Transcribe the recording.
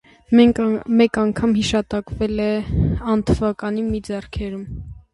Մեկ անգամ հիշատակվել է անթվական մի ձեռագրում։